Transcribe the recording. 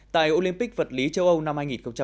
tại olympic vật lý châu âu năm hai nghìn hai mươi